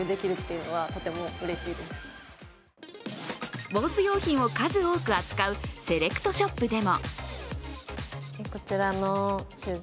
スポーツ用品を数多く扱うセレクトショップでも。